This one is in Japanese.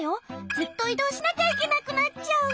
ずっといどうしなきゃいけなくなっちゃう。